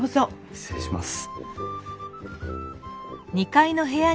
失礼します。